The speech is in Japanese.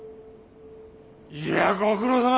いやご苦労さま。